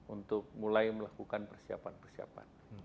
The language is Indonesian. untuk mulai melakukan persiapan persiapan